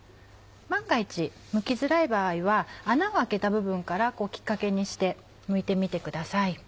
万が一むきづらい場合は穴を開けた部分からきっかけにしてむいてみてください。